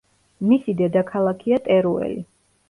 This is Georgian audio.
მისი დედაქალაქია ტერუელი.